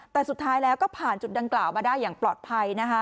แต่สุดท้ายแล้วก็ผ่านจุดดังกล่าวมาได้อย่างปลอดภัยนะคะ